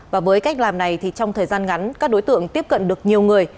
và với cách làm này thì trong thời gian ngắn các đối tượng tiếp cận được nhiều người